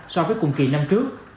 so với cùng kỳ năm trước